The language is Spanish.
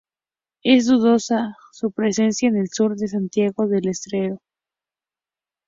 Es dudosa su presencia en el sur de Santiago del Estero.